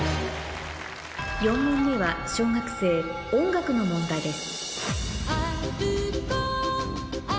４問目は小学生音楽の問題です